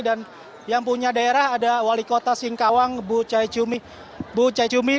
dan yang punya daerah ada wali kota singkawang bu chai cumi